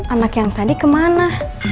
anak yang tadi kemana